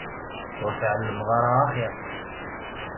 Ur tɛellmeḍ ara axir.